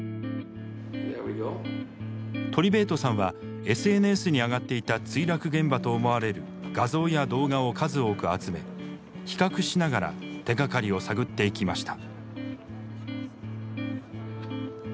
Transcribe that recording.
トリベートさんはＳＮＳに上がっていた墜落現場と思われる画像や動画を数多く集め比較しながら手がかりを探っていきました。